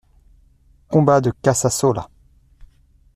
Combat de Casasola.